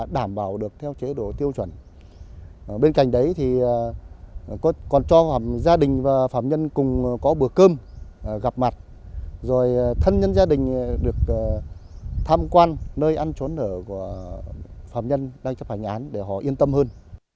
đảm bảo được theo chế độ tiêu chuẩn bên cạnh đấy thì còn cho gia đình và phạm nhân cùng có bữa cơm gặp mặt rồi thân nhân gia đình được tham quan nơi ăn trốn ở của phạm nhân đang chấp hành án để họ yên tâm hơn